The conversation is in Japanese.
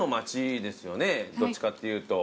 どっちかっていうと。